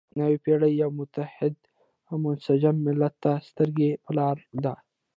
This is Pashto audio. نوې پېړۍ یو متحد او منسجم ملت ته سترګې په لاره ده.